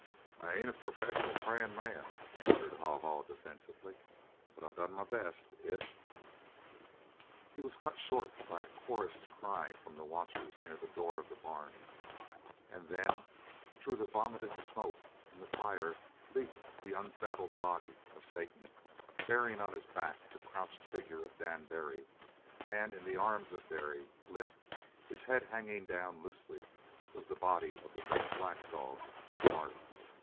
"I ain't a professional prayin' man," answered Haw Haw defensively, "but I done my best. If " He was cut short by a chorused cry from the watchers near the door of the barn, and then, through the vomitted smoke and the fire, leaped the unsaddled body of Satan bearing on his back the crouched figure of Dan Barry, and in the arms of Barry, limp, his head hanging down loosely, was the body of the great black dog, Bart.